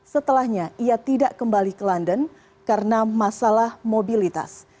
setelahnya ia tidak kembali ke london karena masalah mobilitas